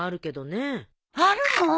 あるの！？